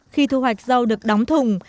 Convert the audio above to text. khi thu hoạch rau được đóng thùng